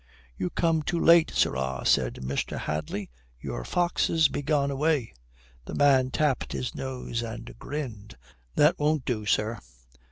"You come too late, sirrah," says Mr. Hadley. "Your foxes be gone away." The man tapped his nose and grinned. "That won't do, sir.